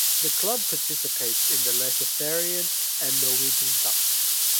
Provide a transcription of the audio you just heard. The club participates in the Eliteserien and the Norwegian Cup.